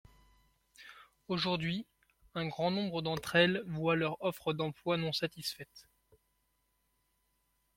Aujourd’hui, un grand nombre d’entre elles voient leurs offres d’emploi non satisfaites.